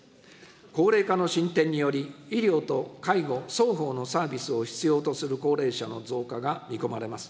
高齢化の進展により、医療と介護双方のサービスを必要とする高齢者の増加が見込まれます。